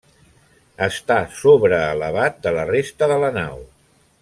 Està sobre elevat de la resta de la nau.